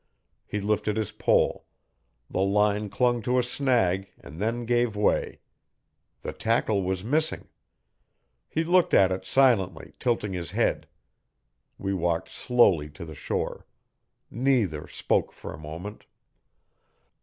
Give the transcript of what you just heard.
He lifted his pole. The line clung to a snag and then gave way; the tackle was missing. He looked at it silently, tilting his head. We walked slowly to the shore. Neither spoke for a moment.